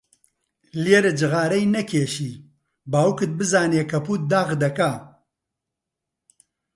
لێرە جغارەی نەکێشی، باوکت بزانێ کەپووت داغ دەکا.